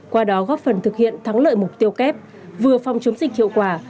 qua đó góp phần thực hiện thắng lợi mục tiêu kép vừa phòng chống dịch hiệu quả